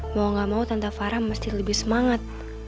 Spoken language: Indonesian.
mau gak mau tante farah mesti lebih semangat